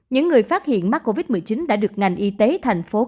những người phát hiện mắc covid một mươi chín đã được ngành y tế thành phố